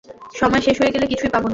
সময় শেষ হয়ে গেলে কিছুই পাবো না।